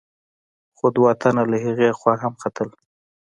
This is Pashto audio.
خو دوه تنه له هغې خوا هم ختل.